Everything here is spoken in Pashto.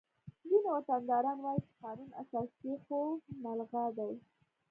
ځینې وطنداران وایي چې قانون اساسي خو ملغا دی